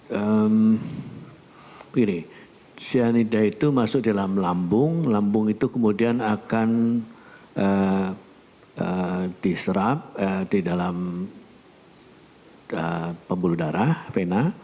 begini cyanida itu masuk dalam lambung lambung itu kemudian akan diserap di dalam pembuluh darah vena